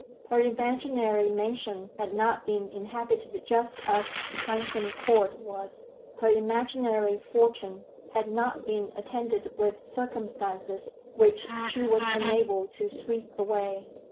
Her imaginary mansion had not been inhabited just as Transome Court was; her imaginary fortune had not been attended with circumstances which she was unable to sweep away.